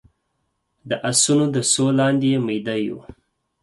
د اسونو د سوو لاندې يې ميده يو